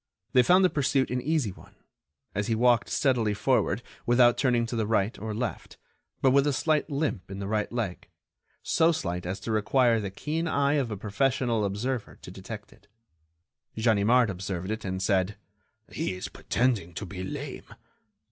They found the pursuit an easy one, as he walked steadily forward without turning to the right or left, but with a slight limp in the right leg, so slight as to require the keen eye of a professional observer to detect it. Ganimard observed it, and said: "He is pretending to be lame.